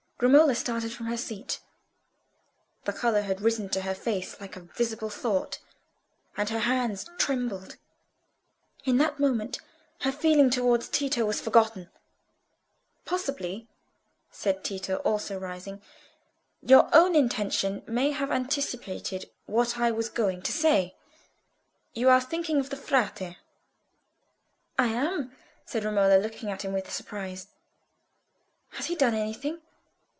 Romola started from her seat. The colour had risen to her face like a visible thought, and her hands trembled. In that moment her feeling towards Tito was forgotten. "Possibly," said Tito, also rising, "your own intention may have anticipated what I was going to say. You are thinking of the Frate." "I am," said Romola, looking at him with surprise. "Has he done anything?